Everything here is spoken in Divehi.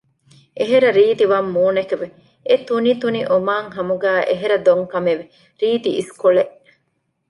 އެހެރަ ރީތި ވަށް މޫނެކެވެ! އެތުނިތުނި އޮމާން ހަމުގައި އެހެރަ ދޮން ކަމެކެވެ! ރީތި އިސްކޮޅެއް